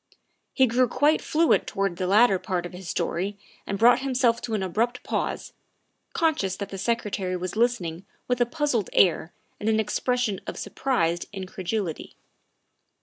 He grew quite fluent towards the latter part of his story and brought himself to an abrupt pause, conscious that the Secretary was listening with a puzzled air and an expression of surprised incredulity.